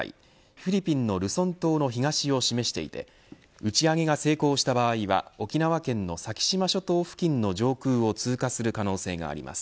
フィリピンのルソン島の東を示していて打ち上げが成功した場合は沖縄県の先島諸島付近の上空を通過する可能性があります。